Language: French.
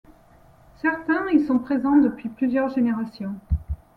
Certains y sont présents depuis plusieurs générations.